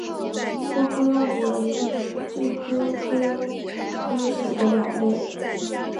欧鸽为鸠鸽科鸽属的鸟类。